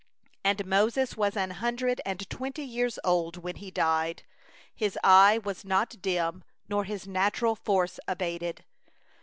7And Moses was a hundred and twenty years old when he died: his eye was not dim, nor his natural force abated.